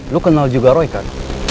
lu kenal juga roy kan